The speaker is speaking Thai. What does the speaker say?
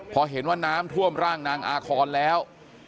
พอเห็นว่าน้ำท่วมร่างนางอาคอนแล้ว